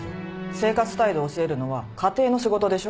生活態度を教えるのは家庭の仕事でしょ？